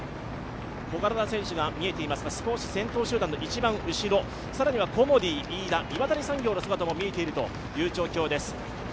小柄な選手が見えていますが、先頭集団の一番後ろ、更にはコモディイイダ、岩谷産業の姿も見えているという状況です。